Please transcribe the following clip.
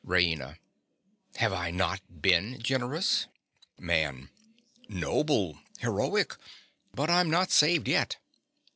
RAINA. Have I not been generous? MAN. Noble!—heroic! But I'm not saved yet.